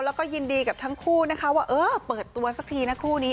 แล้วก็ยินดีกับทั้งคู่นะคะว่าเออเปิดตัวสักทีนะคู่นี้